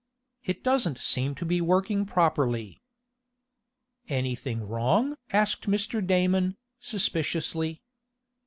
It doesn't seem to be working properly." "Anything wrong?" asked Mr. Damon, suspiciously.